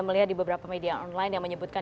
melihat di beberapa media online yang menyebutkan